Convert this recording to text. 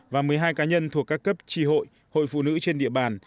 và một mươi hai cá nhân thuộc các cấp tri hội hội phụ nữ trên địa bàn